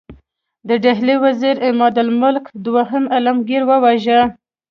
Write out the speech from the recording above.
د ډهلي وزیر عمادالملک دوهم عالمګیر وواژه.